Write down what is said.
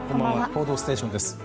「報道ステーション」です。